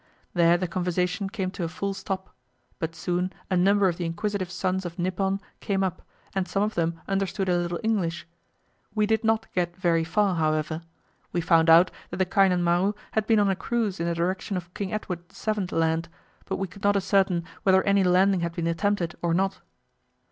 There the conversation came to a full stop, but soon a number of the inquisitive sons of Nippon came up, and some of them understood a little English. We did not get very far, however. We found out that the Kainan Maru had been on a cruise in the direction of King Edward VII. Land; but we could not ascertain whether any landing had been attempted or not.